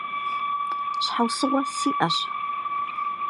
Щхьэусыгъуэ сиӀэщ.